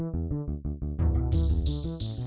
tidak bisa diandalkan